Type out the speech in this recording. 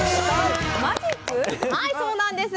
はいそうなんです。